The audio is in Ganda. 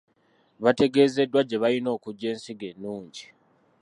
Bategezeddwa gye balina okugya ensigo ennungi.